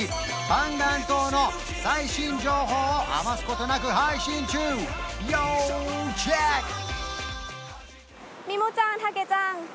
パンガン島の最新情報を余すことなく配信中要チェック！